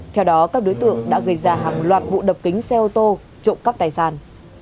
theo đó các đối tượng đã gây ra hàng loạt vụ đập kính xe ô tô trộm cắp tài sản